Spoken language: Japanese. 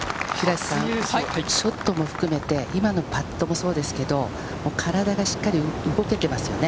ショットも含めて、今のパットもそうですけれど、体がしっかり動けていますよね。